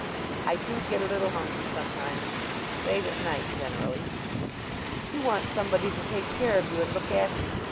"I do get a little hungry sometimes late at night generally." "You want somebody to take care of you and look after you.